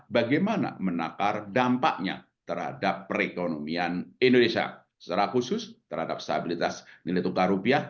bagaimana menakar dampaknya terhadap perekonomian indonesia secara khusus terhadap stabilitas nilai tukar rupiah